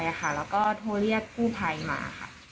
แล้วก็โทรเรียกกู้ภัยมาค่ะ